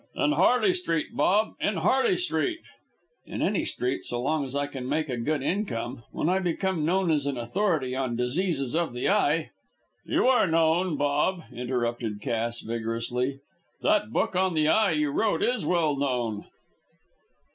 "In Harley Street, Bob, in Harley Street." "In any street so long as I can make a good income. When I become known as an authority on diseases of the eye " "You are known, Bob," interrupted Cass, vigorously. "That book on the eye you wrote is well known."